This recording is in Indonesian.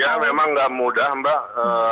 ya memang nggak mudah mbak